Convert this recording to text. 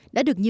đã được nhận ra